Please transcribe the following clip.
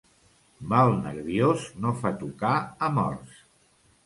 Mal nerviós no fa tocar a morts.